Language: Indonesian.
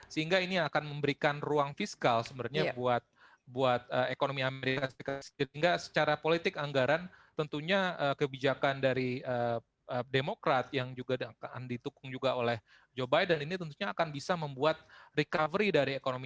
sehingga ini akan memberikan ruang fiskal sebenarnya buat ekonomi amerika serikat sehingga secara politik anggaran tentunya kebijakan dari demokrat yang juga akan ditukung juga oleh joe biden ini tentunya akan bisa membuat recovery dari ekonomi